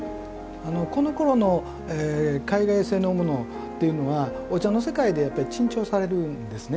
このころの海外製のものっていうのはお茶の世界でやっぱり珍重されるんですね。